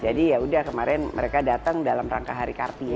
jadi yaudah kemarin mereka datang dalam rangka hari karti ya